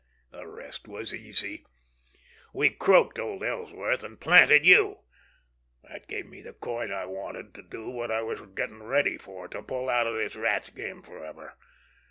The rest was easy. We croaked old Ellsworth, and planted you. That gave me the coin I wanted to do what I was getting ready for—to pull out of this Rat's game forever.